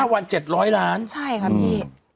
วัน๗๐๐ล้านใช่ครับพี่